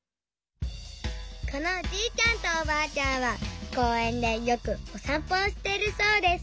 このおじいちゃんとおばあちゃんはこうえんでよくおさんぽをしているそうです。